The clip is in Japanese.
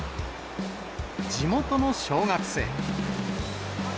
地元の小学生。